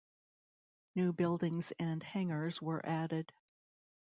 New buildings and hangars were added.